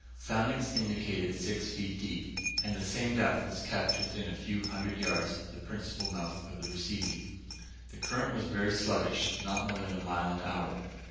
Soundings indicated six feet deep, and the same depth was kept to within a few hundred yards of the principal mouth of the Rusizi. The current was very sluggish; not more than a mile an hour.